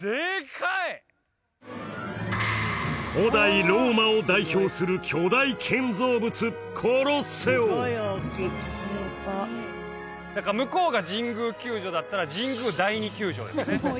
古代ローマを代表する巨大建造物何か向こうが神宮球場だったら神宮第二球場ですね